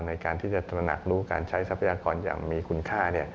ในการที่จะตระหนักรู้การใช้ทรัพยากรอย่างมีคุณค่า